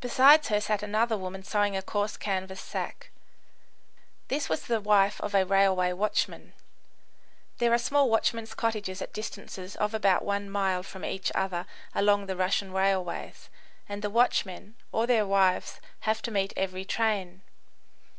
Beside her sat another woman sewing a coarse canvas sack. This was the wife of a railway watchman, [There are small watchmen's cottages at distances of about one mile from each other along the Russian railways, and the watchmen or their wives have to meet every train.